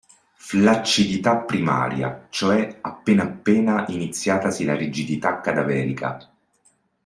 Flaccidità primaria cioè appena appena iniziatasi la rigidità cadaverica.